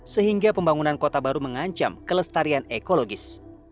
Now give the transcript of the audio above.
sehingga pembangunan kota baru mengancam kelestarian ekologis